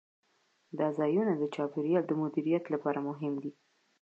دا ځایونه د چاپیریال د مدیریت لپاره مهم دي.